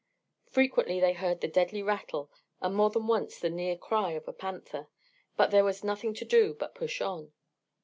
Frequently they heard the deadly rattle, and more than once the near cry of a panther, but there was nothing to do but push on.